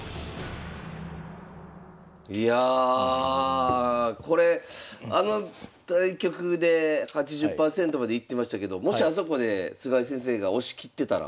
いやあこれあの対局で８０％までいってましたけどもしあそこで菅井先生が押し切ってたら。